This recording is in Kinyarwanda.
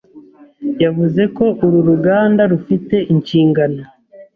yavuze ko uru ruganda rufite inshingano